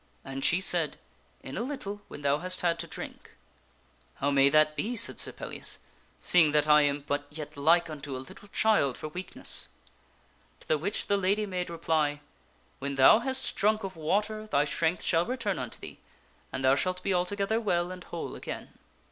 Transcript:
" And she said, " In a little when thou hast had to drink." " How may that be ?" said Sir Pellias, " seeing that I am but yet like unto a little child for weakness.'' To the which the lady made reply, " When thou hast drunk of water thy strength shall return unto thee, and thou shalt be altogether well and whole again."